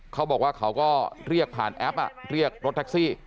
เขาบอกว่าเขาก็เรียกผ่านแอปเรียกรถแท็กซี่